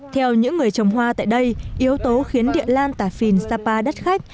theo những người trồng hoa tại đây yếu tố khiến địa lan tả phìn sapa đắt khách